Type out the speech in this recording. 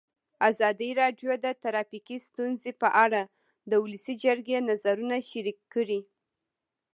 ازادي راډیو د ټرافیکي ستونزې په اړه د ولسي جرګې نظرونه شریک کړي.